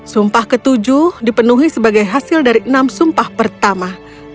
sumpah ketujuh dipenuhi sebagai hasil dari enam sumpah pertama